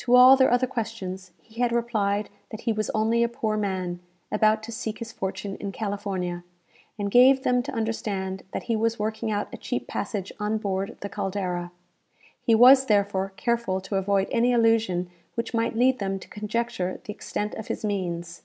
To all their other questions he had replied that he was only a poor man, about to seek his fortune in California, and gave them to understand that he was working out a cheap passage on board the "Caldera." He was, therefore, careful to avoid any allusion which might lead them to conjecture the extent of his means.